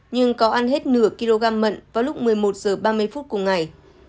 nhưng có ăn hết nửa kg mận vào lúc một mươi một h ba mươi phút cùng ngày